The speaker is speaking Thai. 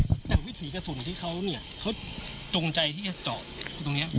แต่วิถีกระสุนที่เขาเนี่ยเขาจงใจที่จะเจาะตรงนี้